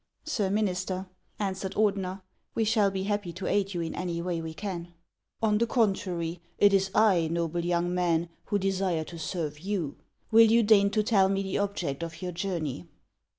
''" Sir minister," answered Ordener, " we shall be happy to aid you in any way we can." " On the contrary, it is I, noble young man, who desire to serve you. AVill you deign to tell me the object of your journey